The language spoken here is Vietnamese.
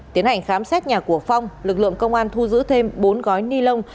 tiến hành khám xét nhà của phong lực lượng công an thu giữ thêm bốn gói ni lông